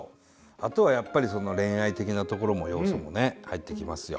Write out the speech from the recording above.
あとはやっぱり恋愛的なところの要素もね入ってきますよ。